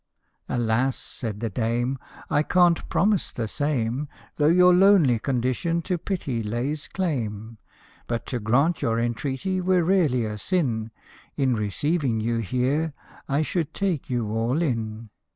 " Alas !" said the dame, " I can't promise that same, Though your lonely condition to pity lays claim. But to grant your entreaty were really a sin In receiving you here, I should take you all in